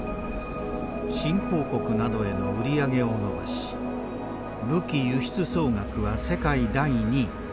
新興国などへの売り上げを伸ばし武器輸出総額は世界第２位。